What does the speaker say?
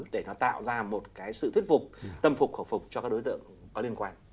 để nó tạo ra một cái sự thuyết phục tâm phục khẩu phục cho các đối tượng có liên quan